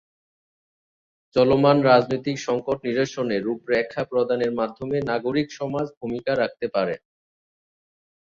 চলমান রাজনৈতিক সংকট নিরসনে রূপরেখা প্রদানের মাধ্যমে নাগরিক সমাজ ভূমিকা রাখতে পারে।